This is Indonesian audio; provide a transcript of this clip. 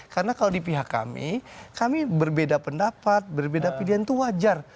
karena kalau di pihak kami kami berbeda pendapat berbeda pilihan itu wajar